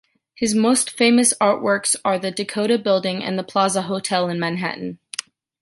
His most famous art-works are the Dakota-Building and the Plaza Hotel in Manhattan.